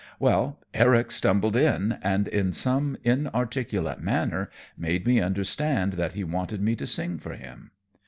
Well, Eric stumbled in, and in some inarticulate manner made me understand that he wanted me to sing for him.